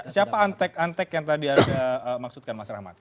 siapa antek antek yang tadi anda maksudkan mas rahmat